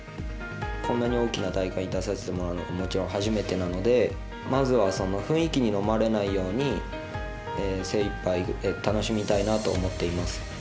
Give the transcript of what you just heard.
こんなに大きな大会に出させてもらうのはもちろん初めてなのでまず、雰囲気にのまれないように精いっぱい楽しみたいなと思っています。